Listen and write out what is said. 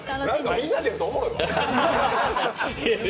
みんなでやるとおもろいわ。